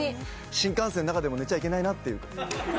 新幹線の中でも寝ちゃいけないなっていう。